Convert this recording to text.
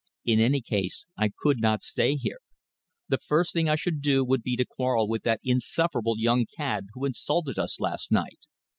In any case, I could not stay here. The first thing I should do would be to quarrel with that insufferable young cad who insulted us last night.